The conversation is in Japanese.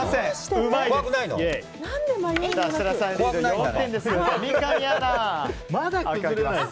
うまいです。